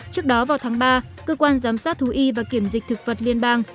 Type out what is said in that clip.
trước đó vào tháng ba cơ quan giám sát thú y và kiểm dịch thực vật liên bang